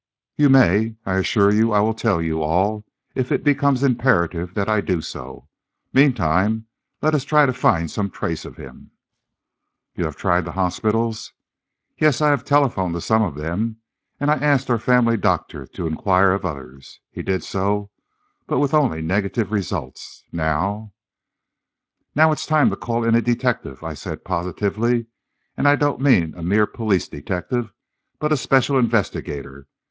"You may. I assure you I will tell you all, if it becomes imperative that I do so. Meantime, let us try to find some trace of him." "You have tried the hospitals?" "Yes; I have telephoned to some of them, and I asked our family doctor to inquire of others. He did so, but with only negative results. Now " "Now, it's time to call in a detective," I said, positively. "And I don't mean a mere police detective, but a special investigator.